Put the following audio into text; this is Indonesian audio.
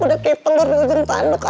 udah kayak telur di ujung tanduk